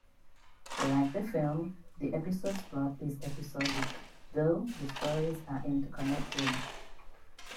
Like the film, the episode's plot is episodic, though the stories are interconnected.